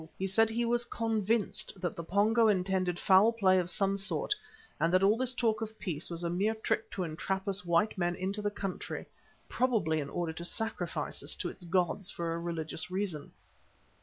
He said he was convinced that the Pongo intended foul play of some sort and that all this talk of peace was a mere trick to entrap us white men into the country, probably in order to sacrifice us to its gods for a religious reason.